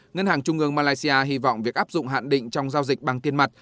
ngân hàng trung ương malaysia hy vọng việc áp dụng hạn định trong giao dịch bằng tiền mặt